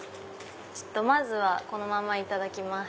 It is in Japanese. まずはこのままいただきます。